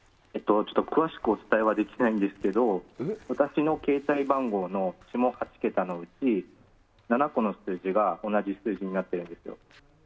詳しくお伝えはできないんですけど私の携帯番号の下８桁のうち７個の数字が同じ数字になっているんですよ。